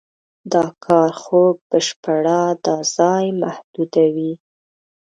دا کار خوک بشپړاً د ځای محدودوي.